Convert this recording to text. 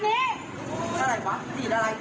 กูอยู่เนี่ย